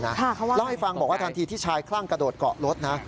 เล่าให้ฟังบอกว่าทันทีที่ชายคลั่งกระโดดเกาะรถนะ